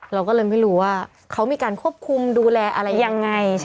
เราก็เลยไม่รู้ว่าเขามีการควบคุมดูแลอะไรยังไง